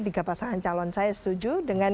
tiga pasangan calon saya setuju dengan